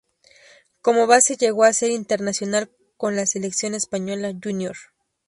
Como base, llegó a ser internacional con la Selección Española Júnior.